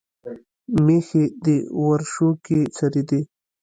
مېښې دې ورشو کښې څرېدې